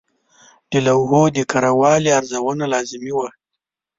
د لوحو د کره والي ارزونه لازمي وه.